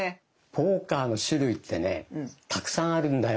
ポーカーの種類ってねたくさんあるんだよ。